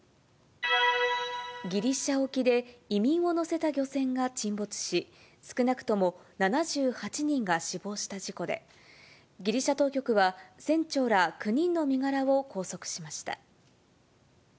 ギリシャ沖で、移民を乗せた漁船が沈没し、少なくとも７８人が死亡した事故で、ギリシャ当局は、船長ら９人の身柄を拘束しました。